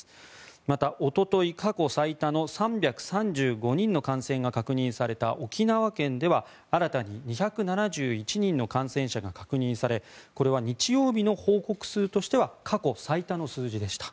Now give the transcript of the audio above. また、おととい過去最多の３３５人の感染が確認された沖縄県では新たに２７１人の感染者が確認され、これは日曜日の報告数としては過去最多の数字でした。